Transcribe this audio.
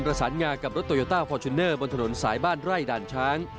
สารงากับรถโตโยต้าฟอร์จูเนอร์บนถนนสายบ้านไร่ด่านช้าง